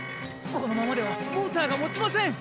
このままではモーターがもちません！